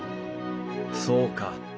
そうか。